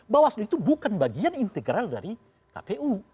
bawaslu itu bukan bagian integral dari kpu